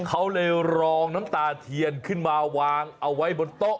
เขาเลยรองน้ำตาเทียนขึ้นมาวางเอาไว้บนโต๊ะ